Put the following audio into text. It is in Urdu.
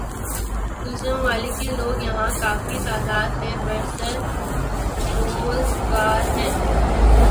دوسرے ممالک کے لوگ یہاں کافی تعداد میں برسر روزگار ہیں